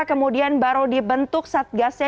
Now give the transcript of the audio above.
kemudian baru dibentuk satgasnya